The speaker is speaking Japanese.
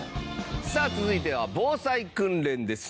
さあ続いては防災訓練です。